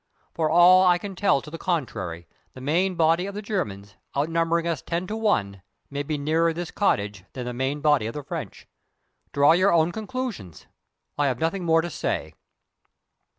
For all I can tell to the contrary, the main body of the Germans, outnumbering us ten to one, may be nearer this cottage than the main body of the French. Draw your own conclusions. I have nothing more to say."